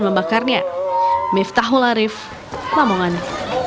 mereka juga membuat poster dan membakarnya